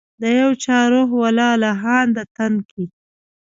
د یو چا روح و لا لهانده تن کي